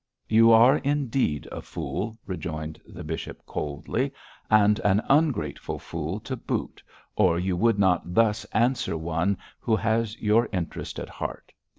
'You are indeed a fool,' rejoined the bishop, coldly, 'and an ungrateful fool to boot, or you would not thus answer one who has your interest at heart.